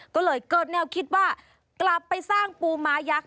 ก็เลยเกิดแนวคิดว่ากลับไปสร้างปูม้ายักษ